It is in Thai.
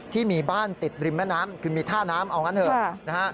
ที่มีบ้านติดริมแม่น้ำคือมีท่าน้ำเอางั้นเถอะนะฮะ